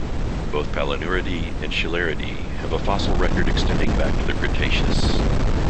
Both Palinuridae and Scyllaridae have a fossil record extending back to the Cretaceous.